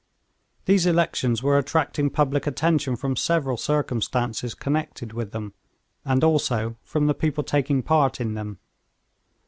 These elections were attracting public attention from several circumstances connected with them, and also from the people taking part in them.